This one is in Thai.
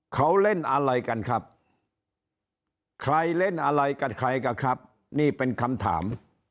เขาเล่นอะไรกันครับใครเล่นอะไรกับใครกันครับนี่เป็นคำถาม